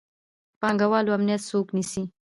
د پانګوالو امنیت څوک نیسي؟